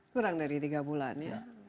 kurang dari tiga bulan ya